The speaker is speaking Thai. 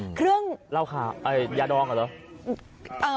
อืมอืมเล่าค่ะยาดองหรอ